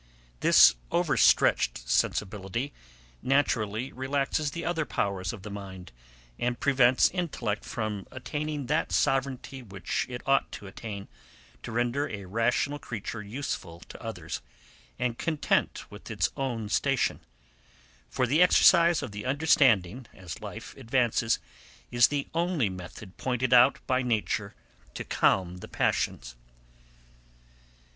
This overstretched sensibility naturally relaxes the other powers of the mind, and prevents intellect from attaining that sovereignty which it ought to attain, to render a rational creature useful to others, and content with its own station; for the exercise of the understanding, as life advances, is the only method pointed out by nature to calm the passions.